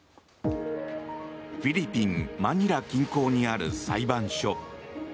フィリピン・マニラ近郊にある裁判所。